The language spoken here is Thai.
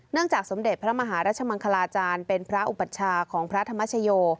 จากสมเด็จพระมหารัชมังคลาจารย์เป็นพระอุปัชชาของพระธรรมชโย